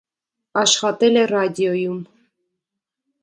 Աշխատել է ռադիոյում։